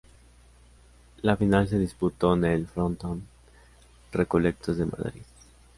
La final se disputó en el Frontón Recoletos de Madrid.